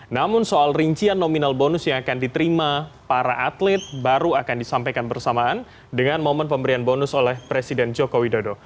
namun soal rincian nominal bonus yang akan diterima para atlet baru akan disampaikan bersamaan dengan momen pemberian bonus oleh presiden joko widodo